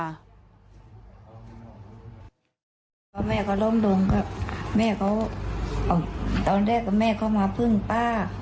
พ่อแม่เขาล้มดงก็แม่เขาอ๋อตอนแรกแม่เขามาพึ่งป้า